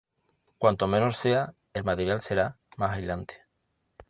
Cuanto menor sea, el material será más aislante.